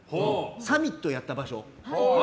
サミットやった場所。